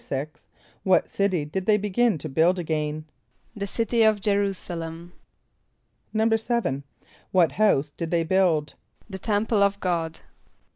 = What city did they begin to build again? =The city of J[+e] r[u:]´s[+a] l[)e]m.= =7.= What house did they build? =The temple of God.